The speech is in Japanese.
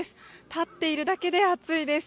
立っているだけで暑いです。